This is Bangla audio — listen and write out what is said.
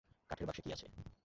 কাঠের বাক্সে কী আছে?